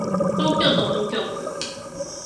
東京都文京区